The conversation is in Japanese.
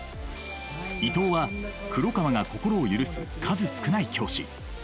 伊藤は黒川が心を許す数少ない教師。